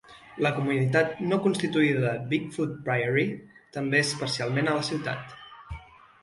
La comunitat no constituïda de Big Foot Prairie també és parcialment a la ciutat.